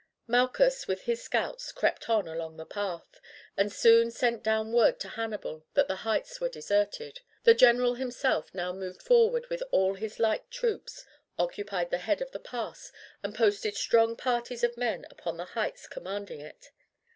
Malchus with his scouts crept on along the path, and soon sent down word to Hannibal that the heights were deserted. The general himself now moved forward with all his light troops, occupied the head of the pass, and posted strong parties of men upon the heights commanding it.